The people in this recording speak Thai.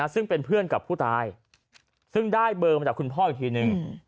ซึ่งเป็นเพื่อนกับผู้ตายซึ่งได้เบอร์มาจากคุณพ่ออีกทีนึง